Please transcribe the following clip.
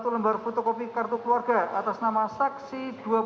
satu lembar fotokopi kartu keluarga atas nama saksi dua puluh satu